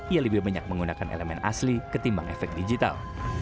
ia lebih banyak menggunakan elemen asli ketimbang efek digital